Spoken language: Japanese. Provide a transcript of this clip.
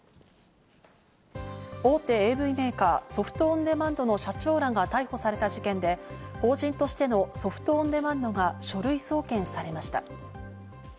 大手ＡＶメーカー、ソフト・オン・デマンドの社長らが逮捕された事件で、法人としてのソフト・オン・デマンドが書類送検されました。